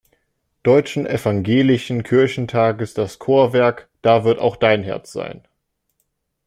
Deutschen Evangelischen Kirchentages das Chorwerk "Da wird auch dein Herz sein".